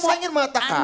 saya ingin mengatakan